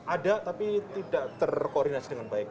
ada tapi tidak terkoordinasi dengan baik